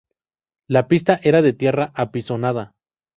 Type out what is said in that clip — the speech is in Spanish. La pista era de tierra apisonada.